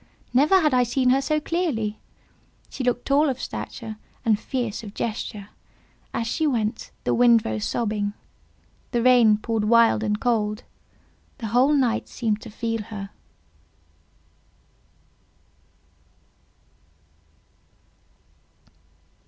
Never had I seen her so clearly. She looked tall of stature, and fierce of gesture. As she went, the wind rose sobbing; the rain poured wild and cold; the whole night seemed to feel her.